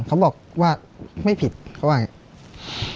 เขาบอกว่าไม่ผิดเขาว่าอย่างนี้